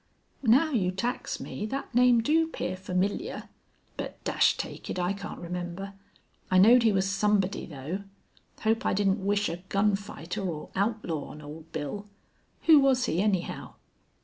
_" "Now you tax me, thet name do 'pear familiar. But dash take it, I can't remember. I knowed he was somebody, though. Hope I didn't wish a gun fighter or outlaw on Old Bill. Who was he, anyhow?"